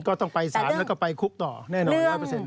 ก็ต้องไปสารแล้วก็ไปคุกต่อแน่นอน๑๐๐